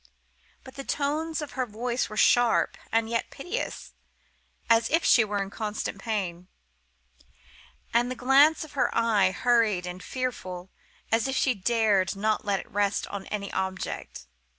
But the tones of her voice were sharp and yet piteous, as if she were in constant pain; and the glance of her eye hurried and fearful, as if she dared not let it rest on any object.